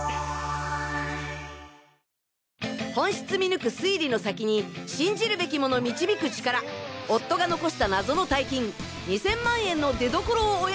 本質見抜く推理の先に信じるべきもの導く力夫が残した謎の大金２０００万円の出所を追え！